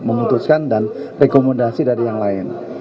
memutuskan dan rekomendasi dari yang lain